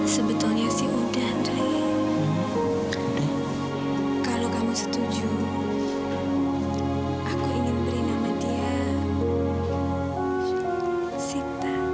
sebetulnya sih udah deh kalau kamu setuju aku ingin beri nama dia sita